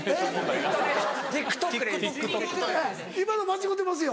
今の間違うてますよ。